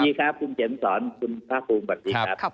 สวัสดีครับคุณเข็มสอนคุณภาคภูมิสวัสดีครับ